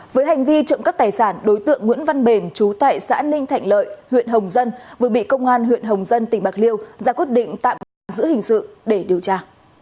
với hành vi trộm cắp tài sản đối tượng nguyễn văn bền chú tại xã ninh thạnh lợi huyện hồng dân vừa bị công an huyện hồng dân tỉnh bạc liêu ra quyết định tạm giữ hình sự để điều tra